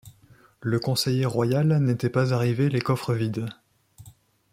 Le conseiller royal n'était pas arrivé les coffres vides.